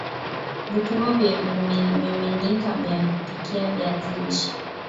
Vipimo vya vimiminika vya kupikia viazi lishe